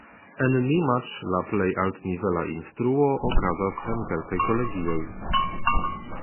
En Nimaĉ la plej altnivela instruo okazas en kelkaj kolegioj.